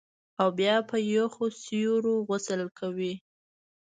او بیا په یخو سیورو غسل کوي